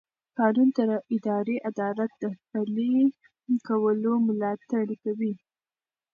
قانون د اداري عدالت د پلي کولو ملاتړ کوي.